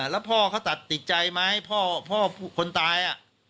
แล้วพ่อเขาตัดติดใจไหมพ่อคนตาย